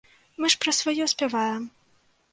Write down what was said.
Мы ж пра сваё спяваем.